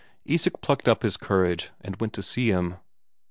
Isak plucked up his courage, and went to see him.